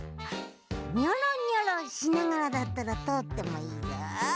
ニョロニョロしながらだったらとおってもいいぞ。